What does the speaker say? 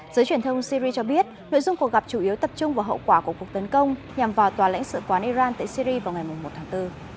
giới truyền thông syri cho biết nội dung cuộc gặp chủ yếu tập trung vào hậu quả của cuộc tấn công nhằm vào tòa lãnh sự quán iran tại syri vào ngày một tháng bốn